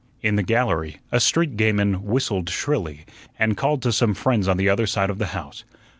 In the gallery a street gamin whistled shrilly, and called to some friends on the other side of the house.